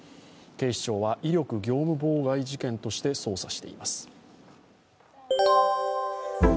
警察は威力業務妨害として捜査しています。